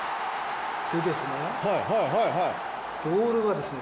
でですね